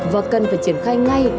và cần phải triển khai ngay